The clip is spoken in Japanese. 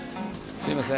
すいません。